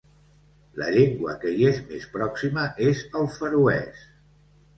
La llengua que hi és més pròxima és el feroès.